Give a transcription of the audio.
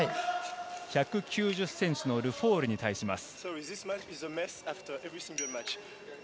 １９０ｃｍのルフォールに対します。